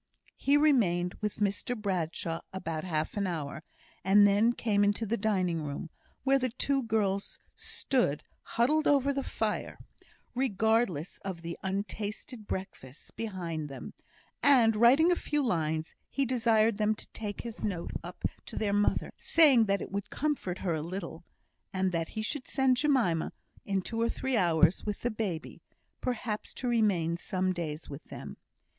He remained with Mr Bradshaw about half an hour, and then came into the dining room, where the two girls stood huddled over the fire, regardless of the untasted breakfast behind them; and, writing a few lines, he desired them to take his note up to their mother, saying it would comfort her a little, and that he should send Jemima, in two or three hours, with the baby perhaps to remain some days with them.